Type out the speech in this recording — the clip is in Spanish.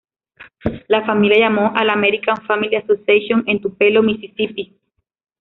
La familia llamó a la American Family Association en Tupelo, Misisipi.